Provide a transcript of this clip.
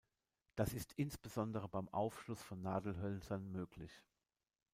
Das ist insbesondere beim Aufschluss von Nadelhölzern möglich.